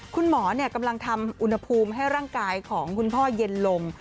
คุณหมอกำลังทำอุณหภูมิให้ร่างกายของคุณพ่อเย็นลง